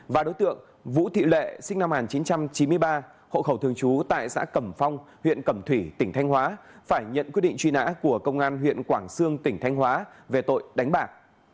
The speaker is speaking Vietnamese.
và đối tượng vũ thị lệ sinh năm một nghìn chín trăm chín mươi ba hộ khẩu thường trú tại xã cẩm phong huyện cẩm thủy tp hcm phải nhận quyết định truy nã của công an huyện quảng sương tp hcm về tội đánh bạc